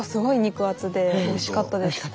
おいしかったですか。